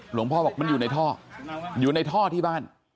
บอกมันอยู่ในท่ออยู่ในท่อที่บ้าน